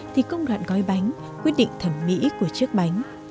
thì công đoạn gói bánh quyết định thẩm mỹ của chiếc bánh